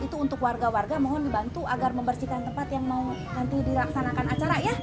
itu untuk warga warga mohon dibantu agar membersihkan tempat yang mau nanti dilaksanakan acara ya